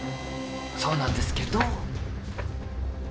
そうなんですけど。